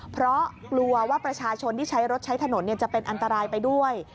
เพราะกลัวว่าประชาชนที่ใช้รถใช้ถนนจะเป็นอันตรายไปด้วย